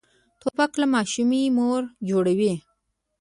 توپک له ماشومې مور جوړوي.